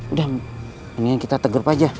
udah mendingan kita tegurp aja